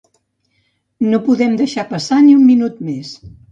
No podem deixar passar ni un minut més.